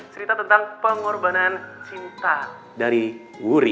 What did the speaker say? cerita tentang pengorbanan cinta dari wuri